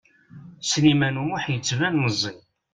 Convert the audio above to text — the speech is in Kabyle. Sliman U Muḥ yettban meẓẓi.